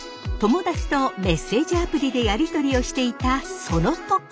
友達とメッセージアプリでやり取りをしていたその時！